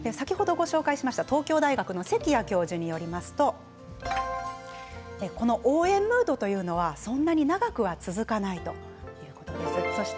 先ほどご紹介しました東京大学の関谷教授によりますと応援ムードはそんなに長くは続かない。